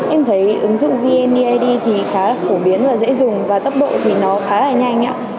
em thấy ứng dụng vneid thì khá là phổ biến và dễ dùng và tốc độ thì nó khá là nhanh nhọ